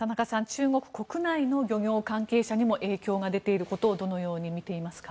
中国国内の漁業関係者にも影響が出ていることをどのように見ていますか。